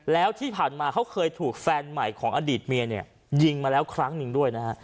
แล้วที่ผ่านมาเขาเคยถูกแฟนใหม่ของอดีตเมียเนี่ยยิงมาแล้วครั้งหนึ่งด้วยนะฮะ